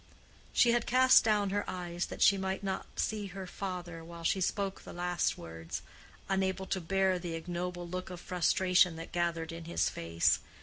She had cast down her eyes that she might not see her father while she spoke the last words—unable to bear the ignoble look of frustration that gathered in his face.